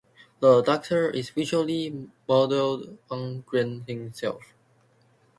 The Doctor is visually modelled on Grant himself.